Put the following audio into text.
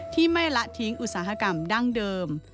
ที่ไม่ละทิ้งอุตสาหกรรมดั้งเดิม